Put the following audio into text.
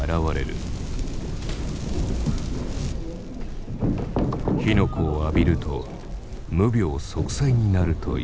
火の粉を浴びると無病息災になるという。